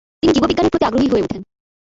তিনি জীববিজ্ঞানের প্রতি আগ্রহী হয়ে ওঠেন।